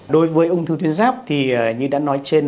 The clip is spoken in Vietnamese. đối với ung thư tuyến giáp thì như đã nói trên